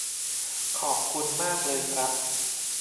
ขอบคุณมากเลยครับ